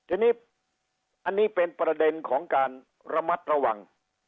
ทีนี้อันนี้เป็นประเด็นของการระมัดระวัง